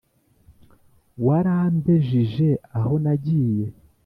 warambejije aho nagiye